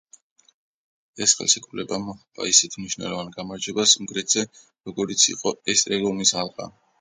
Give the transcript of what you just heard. ეს ხელშეკრულება მოჰყვა ისეთ მნიშვნელოვან გამარჯვებას უნგრეთზე, როგორიც იყო ესტერგომის ალყა.